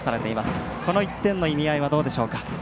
この１点の意味合いはどうでしょうか。